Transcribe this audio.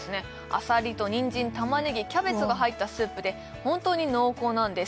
あさりとニンジンたまねぎキャベツが入ったスープで本当に濃厚なんです